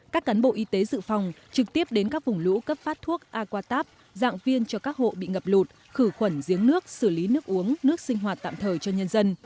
các cán bộ y tế dự phòng trực tiếp đến các vùng lũ cấp phát thuốc aquatabong viên cho các hộ bị ngập lụt khử khuẩn giếng nước xử lý nước uống nước sinh hoạt tạm thời cho nhân dân